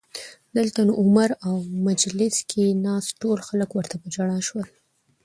دلته نو عمر او مجلس کې ناست ټول خلک ورته په ژړا شول